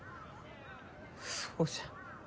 そうじゃ。